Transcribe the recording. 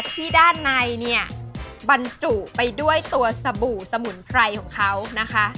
ที่ด้านในเนี่ยบรรจุไปด้วยตัวสบู่สมุนไพรของเขานะคะ